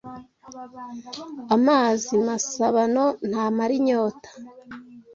Amazi masabano ntamara inyota